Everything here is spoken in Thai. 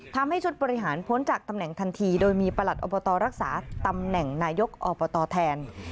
ทำให้ชุดบริหารพ้นจากตำแหน่งทันทีโดยมีประหลัดอบตรักษาตำแหน่งนายกอบตแทน